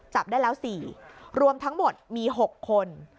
จับได้แล้ว๔รวมทั้งหมดมี๖คน